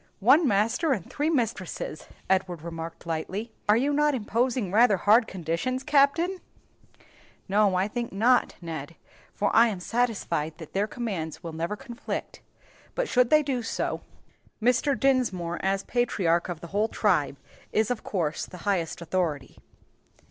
"One master and three mistresses!" Edward remarked lightly; "are you not imposing rather hard conditions, Captain?" "No, I think not, Ned, for I am satisfied that their commands will never conflict; but should they do so, Mr. Dinsmore, as patriarch of the whole tribe, is of course the highest authority."